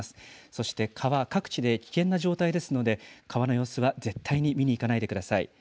そして川、各地で危険な状態ですので、川の様子は絶対に見に行かないでください。